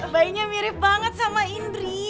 bayinya mirip banget sama indri